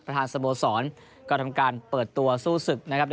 ประธานสโมสรก็ทำการเปิดตัวซู่สึกนะครับ